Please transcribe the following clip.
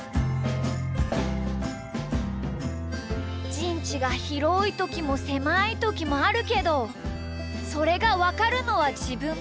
「じんちがひろいときもせまいときもあるけどそれがわかるのはじぶんだけ！